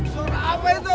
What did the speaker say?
suara apa itu